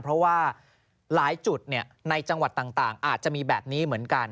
เพราะว่าหลายจุดในจังหวัดต่างอาจจะมีแบบนี้เหมือนกัน